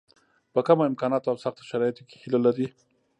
په کمو امکاناتو او سختو شرایطو کې هیله لري.